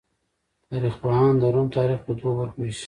تاریخ پوهان د روم تاریخ په دوو برخو ویشي.